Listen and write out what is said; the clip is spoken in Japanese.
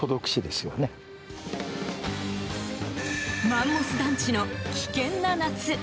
マンモス団地の危険な夏。